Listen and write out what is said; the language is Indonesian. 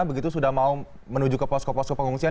begitu sudah mau menuju ke posko posko pengungsian